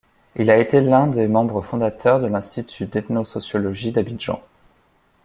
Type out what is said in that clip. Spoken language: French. Il a été l'un des membres fondateurs de l`Institut d`ethno-sociologie d'Abidjan.